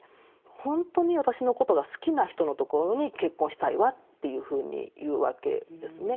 ほんとに私のことが好きな人のところに結婚したいわというふうに言うわけですね。